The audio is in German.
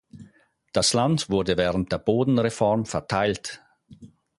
Das Land wurde während der Bodenreform verteilt.